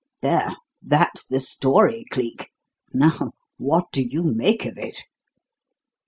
There, that's the story, Cleek. Now what do you make of it?"